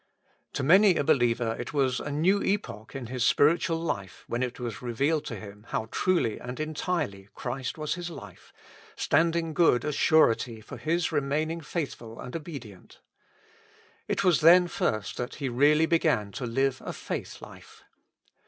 To many a believer it was a new epoch in his spiritual life when it was revealed to him how truly and entirely Christ was his life, standing good as surety for his remaining faithful and obedient. It was then first that he really began to live 2, faith life.